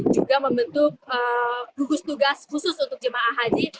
juga membentuk gugus tugas khusus untuk jemaah haji